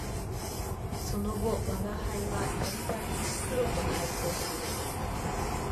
その後吾輩は度々黒と邂逅する